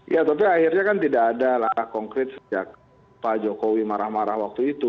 ya tapi akhirnya kan tidak ada langkah konkret sejak pak jokowi marah marah waktu itu